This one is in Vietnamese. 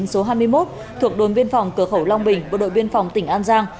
số hai mươi một thuộc đồn biên phòng cửa khẩu long bình bộ đội biên phòng tỉnh an giang